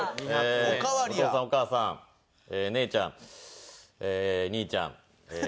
お父さんお母さん姉ちゃん兄ちゃん